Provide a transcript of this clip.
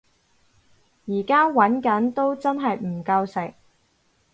而家搵埋都真係唔夠食